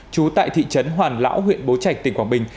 trú tại thị trấn hoàn lão huyện bố trạch tỉnh quảng bình